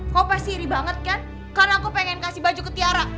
kok pasti iri banget kan karena aku pengen kasih baju ke tiara